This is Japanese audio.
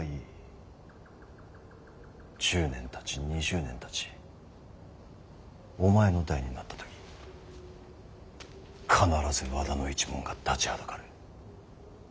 １０年たち２０年たちお前の代になった時必ず和田の一門が立ちはだかる。